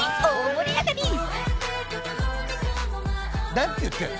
何て言ってんの？